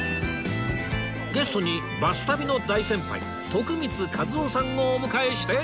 ゲストに『バス旅』の大先輩徳光和夫さんをお迎えして